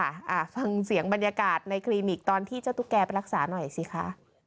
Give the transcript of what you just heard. อ่าฟังเสียงบรรยากาศในคลินิกตอนที่เจ้าตุ๊กแกไปรักษาหน่อยสิคะ